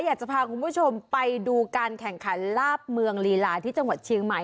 อยากจะพาคุณผู้ชมไปดูการแข่งขันลาบเมืองลีลาที่จังหวัดเชียงใหม่